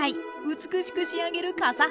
美しく仕上げる笠原